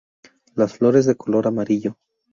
Las flores de color amarillo.